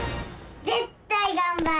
ぜったいがんばる！